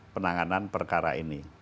penanganan perkara ini